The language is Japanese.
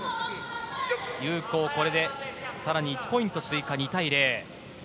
有効、これで更に１ポイント追加２対０。